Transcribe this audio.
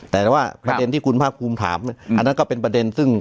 แต่ว่าประเด็นที่คุณภาคภูมิถามอันนั้นก็เป็นประเด็นซึ่ง